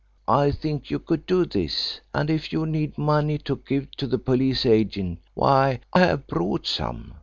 I think you could do this. And if you need money to give to the police agent, why, I have brought some."